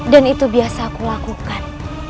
dan itu biasa aku lakukan